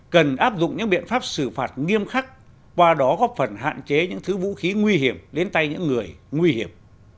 cần áp dụng những biện pháp xử phạt nghiêm khắc qua đó góp phần hạn chế những thứ vũ khí nguy hiểm đến tay những người nguy hiểm